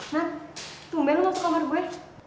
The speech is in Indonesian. nat tumben lo masuk kamar gue